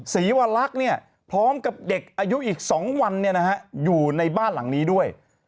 สีวรรคเนี่ยพร้อมกับเด็กอายุอีกสองวันเนี่ยนะฮะอยู่ในบ้านหลังนี้ด้วย